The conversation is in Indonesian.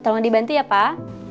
tolong dibantu ya pak